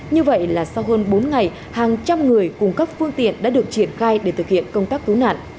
như vậy là sau hơn bốn ngày hàng trăm người cùng các phương tiện đã được triển khai để thực hiện công tác cứu nạn